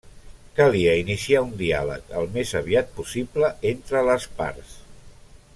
Calia iniciar un diàleg al més aviat possible entre les parts.